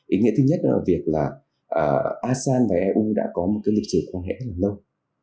ý nghĩa thứ nhất là việc asean và eu đã có một lịch sử quan hệ rất lâu